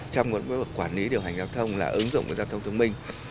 trong một bước quản lý điều hành giao thông là ứng dụng giao thông thông minh